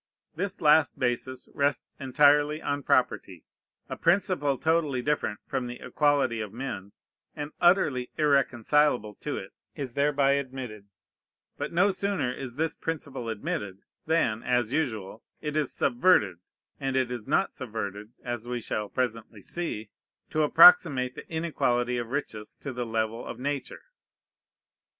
This last basis rests entirely on property. A principle totally different from the equality of men, and utterly irreconcilable to it, is thereby admitted: but no sooner is this principle admitted than (as usual) it is subverted; and it is not subverted (as we shall presently see) to approximate the inequality of riches to the level of Nature.